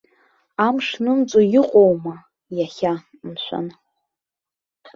Амш нымҵәо иҟоума, иахьа, мшәан?